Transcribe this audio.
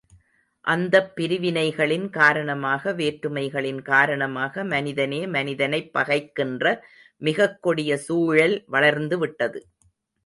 அந்தப் பிரிவினைகளின் காரணமாக வேற்றுமைகளின் காரணமாக மனிதனே மனிதனைப் பகைக்கின்ற மிகக்கொடிய சூழல் வளர்ந்துவிட்டது.